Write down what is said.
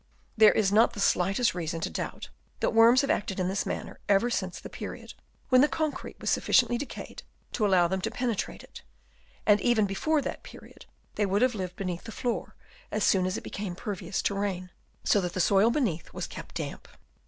There is not the slightest reason to doubt that worms have acted in this manner ever since the period when the concrete was sufficiently decayed to allow them to penetrate it; and even before that period they would have lived beneath the floor, as soon as it became pervious to rain, so that the soil beneath was kept damp.